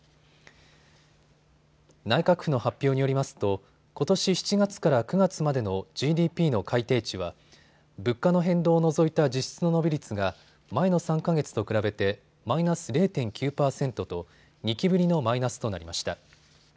内閣府の発表によりますとことし７月から９月までのＧＤＰの改定値は物価の変動を除いた実質の伸び率が前の３か月と比べてマイナス０．９％と２期ぶりのマイナスとなりました。